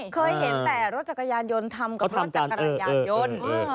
เคยเห็นแต่รถจักรยานยนต์ทำกระท่อมจากกระยานยนต์